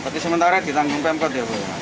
tapi sementara ditanggung pemkot ya bu